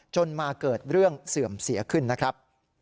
จนมาเกิดเรื่องเสื่อมเสียขึ้นนะครับ